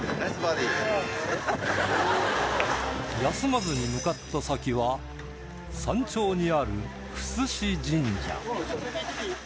休まずに向かった先は山頂にある久須志神社